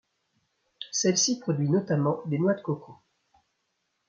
Celle-ci produit notamment des noix de coco.